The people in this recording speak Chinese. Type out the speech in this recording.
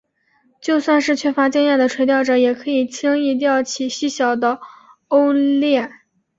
就算是缺乏经验的垂钓者也可以轻易钓起细小的欧鲢。